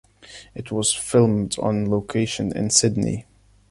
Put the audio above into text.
It was filmed on location in Sydney.